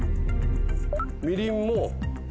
みりんも。